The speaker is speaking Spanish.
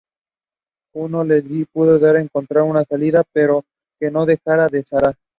Juno les dice que puede encontrar una salida, pero que no dejará a Sarah.